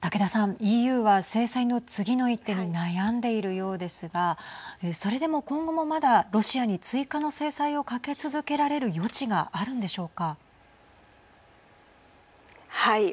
ＥＵは制裁の次の一手に悩んでいるようですがそれでも今後もまだロシアに追加の制裁をかけ続けられる余地があるんでしょうか。